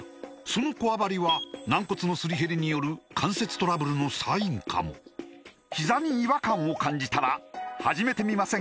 そのこわばりは軟骨のすり減りによる関節トラブルのサインかもひざに違和感を感じたら始めてみませんか